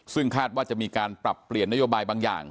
ซึ่งคาดว่าจะมีการปรับเปลี่ยนนโยบายบางอย่าง